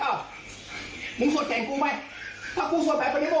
อ้าวแล้วมึงรู้ไงกูโชวนได้จบ